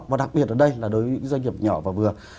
và đặc biệt ở đây là đối với những doanh nghiệp nhỏ và vừa